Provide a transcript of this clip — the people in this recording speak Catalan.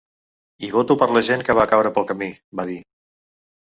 I voto per la gent que va caure pel camí, va dir.